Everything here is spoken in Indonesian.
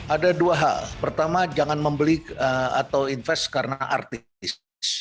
ada dua hal pertama jangan membeli atau invest karena artis